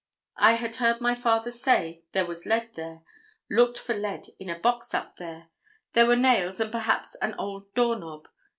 I had heard my father say there was lead there. Looked for lead in a box up there. There were nails and perhaps an old door knob.